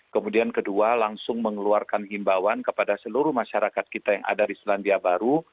kemudian kedua langsung mengeluarkan himbawan kepada seluruh masyarakat kita yang ada di selandia baru